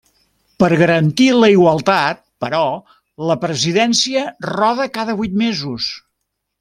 Per garantir la igualtat, però, la presidència roda cada vuit mesos.